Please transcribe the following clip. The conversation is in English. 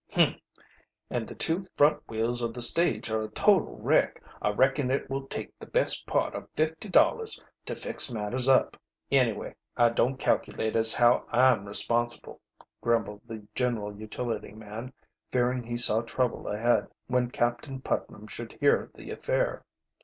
"Humph! And the two front wheels of the stage are a total wreck. I reckon it will take the best part of fifty dollars to fix matters up." "Anyway, I don't calculate as how I'm responsible," grumbled the general utility man, fearing he saw trouble ahead, when Captain Putnam should hear of the affair.